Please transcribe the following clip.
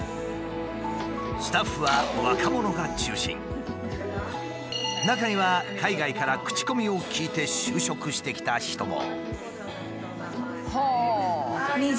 スタッフは中には海外から口コミを聞いて就職してきた人も。